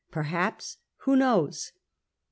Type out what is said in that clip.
Perhaps. Who knows ?